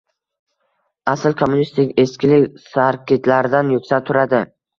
Asl kommunist eskilik sarkitlaridan yuksak turadi!